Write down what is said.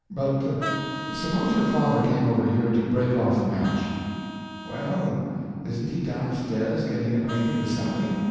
But—suppose your father came over here to break off the match?" "Well, isn't he down stairs getting acquainted with Sally?